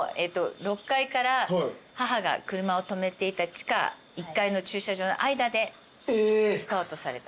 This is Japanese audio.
６階から母が車を止めていた地下１階の駐車場の間でスカウトされた。